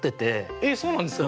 えっそうなんですか！